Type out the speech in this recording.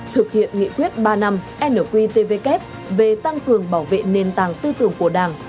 thực hiện nghị quyết ba năm nqtvk về tăng cường bảo vệ nền tảng tư tưởng của đảng